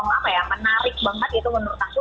apa ya menarik banget itu menurut aku